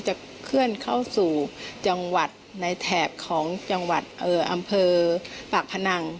จะเคลื่อนเข้าสู่จังหวัดในแถบของจังหวัดอำเภอปากพนัง